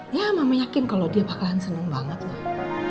ya mama yakin kalau dia bakalan seneng banget loh